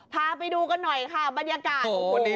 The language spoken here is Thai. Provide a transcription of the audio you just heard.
พาไปดูกันหน่อยปืนนี้